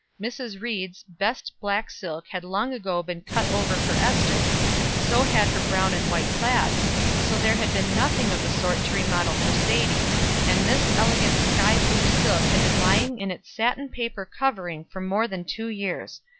Mrs. Ried's best black silk had long ago been cut over for Ester; so had her brown and white plaid; so there had been nothing of the sort to remodel for Sadie; and this elegant sky blue silk had been lying in its satin paper covering for more than two years.